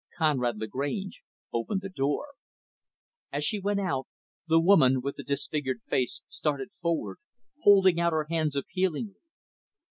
Conrad Lagrange opened the door. As she went out, the woman with the disfigured face started forward, holding out her hands appealingly.